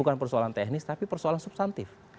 bukan persoalan teknis tapi persoalan substantif